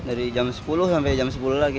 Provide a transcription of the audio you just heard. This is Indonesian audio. dari jam sepuluh sampai jam sepuluh lagi